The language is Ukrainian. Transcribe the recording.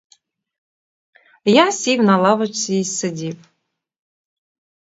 Я сів на лавочці й сидів.